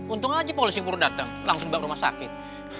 untung aja polisi baru datang langsung bawa ke rumah sakit